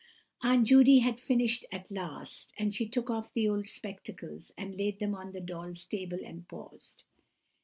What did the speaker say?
Aunt Judy had finished at last, and she took off the old spectacles and laid them on the doll's table, and paused.